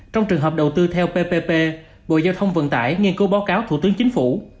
trong trường hợp đầu tư theo ppp bộ giao thông vận tải nghiên cứu báo cáo thủ tướng chính phủ